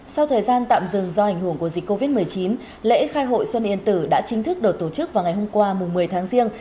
sau thời gian tạm dừng do ảnh hưởng của dịch covid một mươi chín lễ khai hội xuân yên tử đã chính thức được tổ chức vào ngày hôm qua một mươi tháng riêng